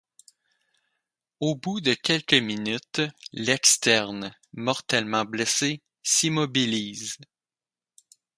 Au bout de quelques minutes, l'Externe, mortellement blessé, s'immobilise.